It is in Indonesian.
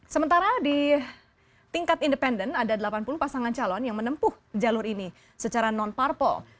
sementara di tingkat independen ada delapan puluh pasangan calon yang menempuh jalur ini secara non parpol